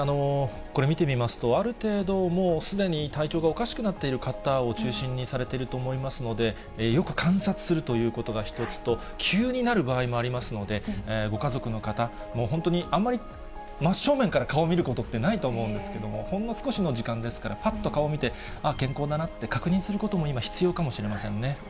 これ見てみますと、ある程度、もうすでに体調がおかしくなっている方を中心にされていると思いますので、よく観察するということが一つと、急になる場合もありますので、ご家族の方、もう本当に、あんまり真正面から顔を見ることってないと思うんですけれども、ほんの少しの時間ですからぱっと顔見て、ああ、健康だなって確認することも今、必要かもしれませんね。